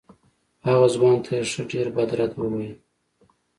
هغه ځوان ته یې ښه ډېر بد رد وویل.